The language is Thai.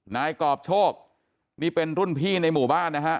นายกรอบโชคนี่เป็นรุ่นพี่ในหมู่บ้านนะฮะ